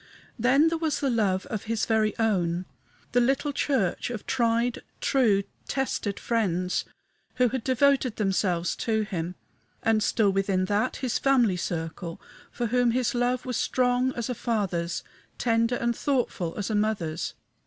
Then there was the love of his very own the little church of tried, true, tested friends who had devoted themselves to him; and, still within that, his family circle, for whom his love was strong as a father's, tender and thoughtful as a mother's.